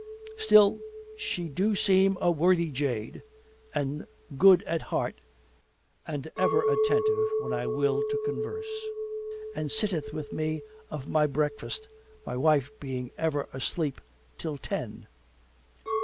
Still she do seem a worthy jade and good at heart and ever attentive when I will to converse and sitteth with me of a breakfast my wife being ever asleep till ten.